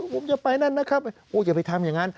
ผมจะไปนั่นนะครับอย่าไปทำอย่างนั้น